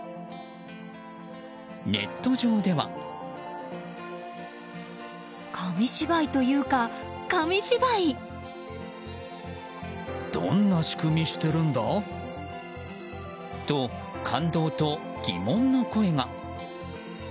ネット上では。と、感動と疑問の声が。